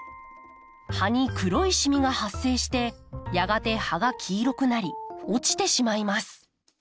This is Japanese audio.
葉に黒いシミが発生してやがて葉が黄色くなり落ちてしまいます。